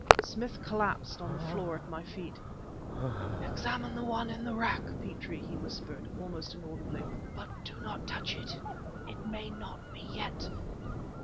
Smith collapsed on the floor at my feet. "Examine the one in the rack, Petrie," he whispered, almost inaudibly, "but do not touch it. It may not be yet...."